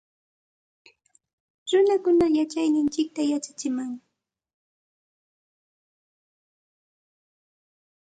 Runakunata yachayninchikta yachachinam